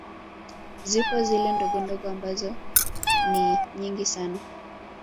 Zipo zile ndogondogo ambazo ni nyingi sana